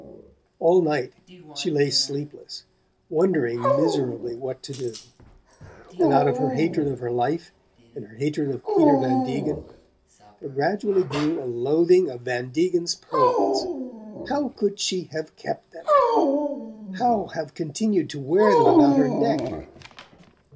All night she lay sleepless, wondering miserably what to do; and out of her hatred of her life, and her hatred of Peter Van Degen, there gradually grew a loathing of Van Degen's pearls. How could she have kept them; how have continued to wear them about her neck!